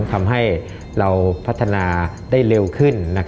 ทำให้เราพัฒนาได้เร็วขึ้น